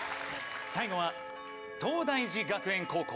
最後は東大寺学園高校。